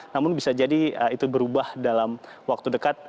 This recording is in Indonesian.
namun bisa jadi itu berubah dalam waktu dekat